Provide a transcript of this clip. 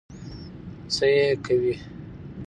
څه يې کوې؟